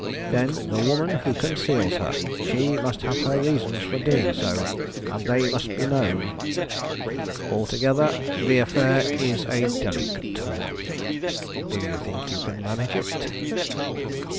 Then the woman who conceals her! She must have her reasons for doing so; and they must be known. Altogether, the affair is a delicate one. Do you think you can manage it?"